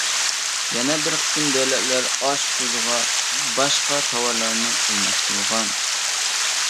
يەنە بىر قىسىم دۆلەتلەر ئاش تۇزىغا باشقا تاۋارلارنى ئالماشتۇرغان.